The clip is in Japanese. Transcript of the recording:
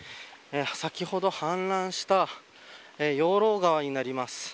先ほど氾濫した養老川になります。